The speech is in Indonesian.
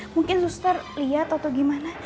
mungkin suster lihat atau gimana